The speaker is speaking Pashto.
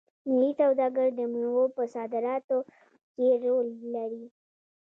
ملي سوداګر د میوو په صادراتو کې رول لري.